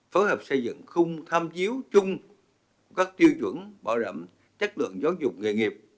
phối hợp xây dựng khung tham chiếu chung các tiêu chuẩn bảo đảm chất lượng giáo dục nghề nghiệp